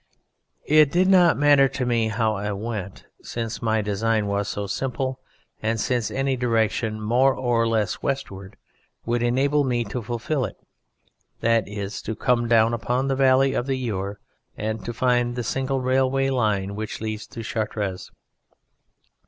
"It did not matter to me how I went, since my design was so simple and since any direction more or less westward would enable me to fulfil it, that is, to come down upon the valley of the Eure and to find the single railway line which leads to Chartres.